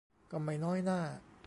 ก็ไม่น้อยหน้า